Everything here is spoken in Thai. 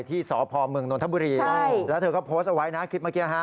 ที่สพเมืองนทบุรีแล้วเธอก็โพสต์เอาไว้นะคลิปเมื่อกี้ฮะ